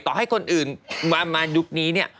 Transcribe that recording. ต่อให้คนอื่นมายุคนี้เนี่ย